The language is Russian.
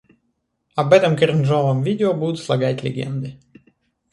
Об этом кринжовом видео будут слагать легенды.